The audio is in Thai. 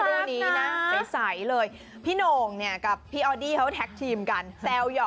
ตอนที่มีแต่คนต่อลูกสาวเย็นตอนนี้ยุคเท่าไหร่ลูกน้องพลอย